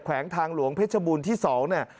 วงทางหลวงเพชรบูรณ์ที่๒เนี่ย